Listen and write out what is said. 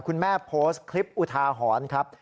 คุณแม่โพสต์คลิปอุทาหอนครับ